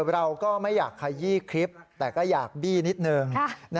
เราก็ไม่อยากขยี้คลิปแต่ก็อยากบี้นิดนึง